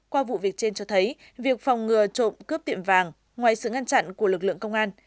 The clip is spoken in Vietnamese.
qua vụ việc trên cho thấy việc phòng ngừa trộm cướp tiệm vàng ngoài sự ngăn chặn của lực lượng công an